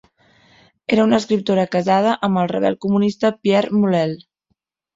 Era una escriptora casada amb el rebel comunista Pierre Mulele.